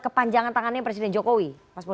kepanjangan tangannya presiden jokowi